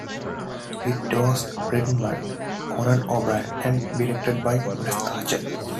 It was written by Conan O'Brien and directed by Wes Archer.